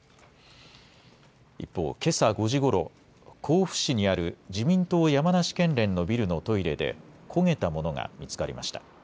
一方、けさ５時ごろ甲府市にある自民党山梨県連のビルのトイレで焦げたものが見つかりました。